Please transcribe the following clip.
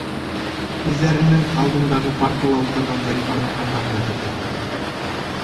Үҙҙәренең алдындағы партала ултырған Зарифаның арҡаһына төртөп: